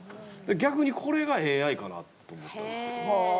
逆に、これがＡＩかなって思ったんですけど。